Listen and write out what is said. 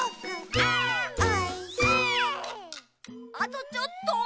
あとちょっと。